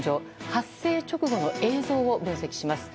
発生直後の映像を分析します。